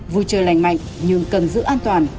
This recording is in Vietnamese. vui chơi lành mạnh nhưng cần giữ an toàn